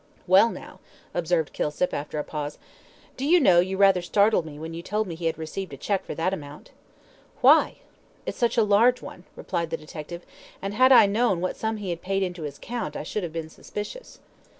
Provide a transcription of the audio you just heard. "Well, now," observed Kilsip, after a pause, "do you know you rather startled me when you told me he had received a cheque for that amount." "Why?" "It's such a large one," replied the detective, "and had I known what sum he had paid into his account I should have been suspicious."